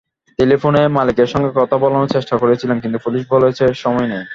টেলিফোনে মালিকের সঙ্গে কথা বলানোর চেষ্টা করেছিলেন, কিন্তু পুলিশ বলেছে, সময় নেই।